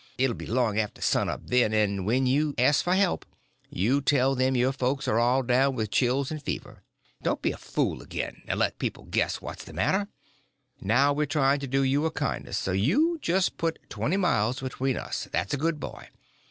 It will be long after sun up then, and when you ask for help you tell them your folks are all down with chills and fever. Don't be a fool again, and let people guess what is the matter. Now we're trying to do you a kindness; so you just put twenty miles between us, that's a good boy.